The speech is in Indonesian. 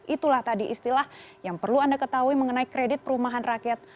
itulah tadi istilah yang perlu anda ketahui mengenai kredit perumahan rakyat